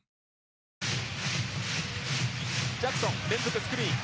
ジャクソン連続スクリーン。